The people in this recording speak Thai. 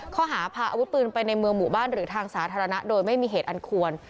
ข้อหาพาอาวุธปืนไปในเมืองหมู่บ้านหรือทางสาธารณะโดยไม่มีเหตุอันควร